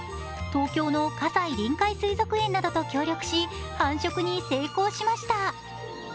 東京の葛西臨海水族園などと協力し、繁殖に成功しました。